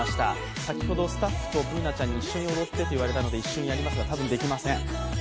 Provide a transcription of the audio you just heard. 先ほど、スタッフとＢｏｏｎａちゃんと一緒に踊ってと言われましたので一緒にやりますが、多分できません